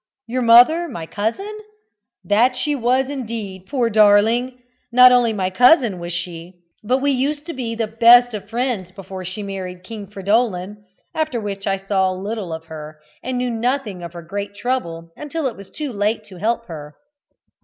Your mother my cousin? That she was indeed, poor darling! Not only my cousin was she, but we used to be the best of friends before she married King Fridolin, after which I saw little of her, and knew nothing of her great trouble until it was too late to help her."